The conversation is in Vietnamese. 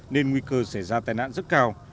nên nguy cơ xảy ra tai nạn rất cao